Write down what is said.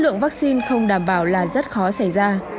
lượng vaccine không đảm bảo là rất khó xảy ra